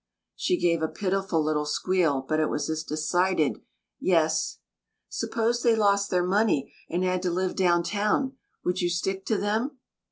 She gave a pitiful little squeal, but it was a decided "Yes." "Suppose they lost their money, and had to live down town, would you stick to them?"